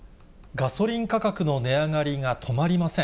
ガソリン価格の値上がりが止まりません。